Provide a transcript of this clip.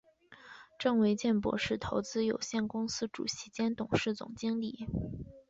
郑维健博士投资有限公司主席兼董事总经理。